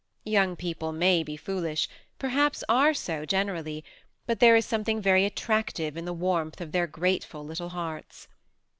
Young people may be foolish, perhaps are so generally, but there is something very attractive in the warmth of their grateful little hearts.